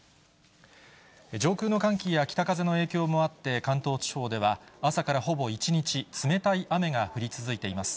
上空の寒気や北風の影響もあって、関東地方では朝からほぼ一日、冷たい雨が降り続いています。